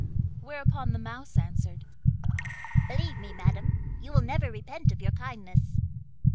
Whereupon the Mouse answered: 'Believe me, madam, you will never repent of your kindness.